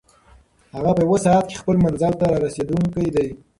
هغه په یوه ساعت کې خپل منزل ته رارسېدونکی دی.